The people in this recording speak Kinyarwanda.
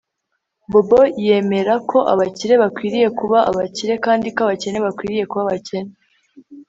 Bobo yemera ko abakire bakwiriye kuba abakire kandi ko abakene bakwiriye kuba abakene